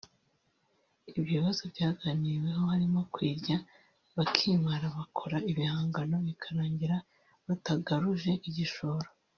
Ibyo bibazo byaganiriweho harimo kwirya bakimara bakora ibihangano bikarangira batagaruje igishoro